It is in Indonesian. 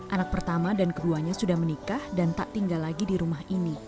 anak pertama dan keduanya sudah menikah dan tak tinggal lagi di rumah ini